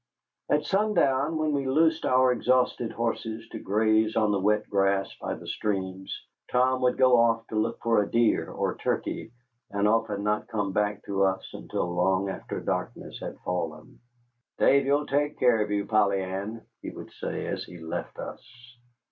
At sundown, when we loosed our exhausted horses to graze on the wet grass by the streams, Tom would go off to look for a deer or turkey, and often not come back to us until long after darkness had fallen. "Davy'll take care of you, Polly Ann," he would say as he left us.